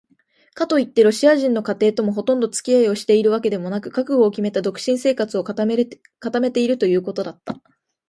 かといってロシア人の家庭ともほとんどつき合いをしているわけでもなく、覚悟をきめた独身生活を固めているということだった。